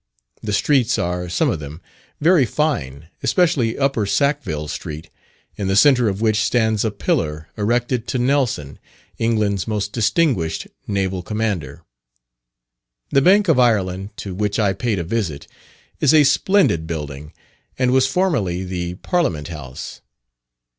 The streets are some of them very fine, especially upper Sackville Street, in the centre of which stands a pillar erected to Nelson, England's most distinguished Naval Commander. The Bank of Ireland, to which I paid a visit, is a splendid building, and was formerly the Parliament House.